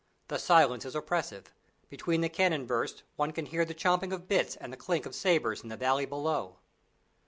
The silence is oppressive: between the cannon bursts one can hear the champing of bits and the clink of sabres in the valley below.